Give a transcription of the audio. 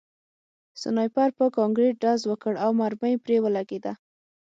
سنایپر په کانکریټ ډز وکړ او مرمۍ پرې ولګېده